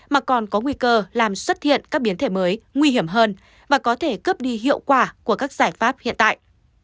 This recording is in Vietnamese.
mà còn có nguy cơ làm xuất hiện các biến thể mới nguy hiểm hơn và có thể cướp đi hiệu quả của các giải pháp hiện tại